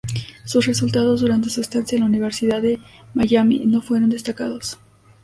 Sus resultados durante su estancia en la Universidad de Miami no fueron destacados.